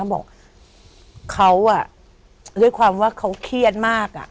บอกเขาด้วยความว่าเขาเครียดมากอ่ะ